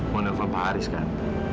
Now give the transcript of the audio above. mau nelfon pak haris kan